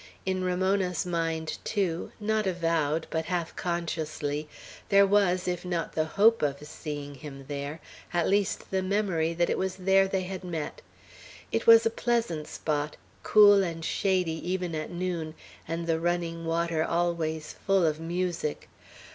In Ramona's mind too, not avowed, but half consciously, there was, if not the hope of seeing him there, at least the memory that it was there they had met. It was a pleasant spot, cool and shady even at noon, and the running water always full of music.